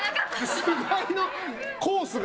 菅井のコースが。